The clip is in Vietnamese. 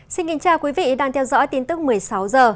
xin kính chào quý vị đang theo dõi tin tức một mươi sáu h